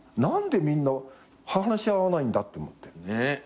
何でみんな話し合わないんだって思って。